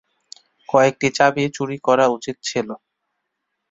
কয়েকটি চাবি চুরি করা উচিত ছিলো।